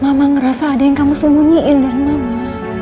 mama ngerasa ada yang kamu sembunyiin dari mama